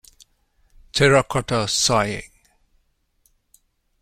Terracotta sighing.